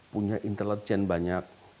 punya intelijen banyak